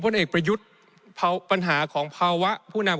แต่ปัญหาของผู้นำ